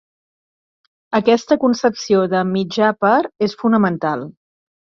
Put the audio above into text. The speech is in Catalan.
Aquesta concepció de “mitjà per” és fonamental.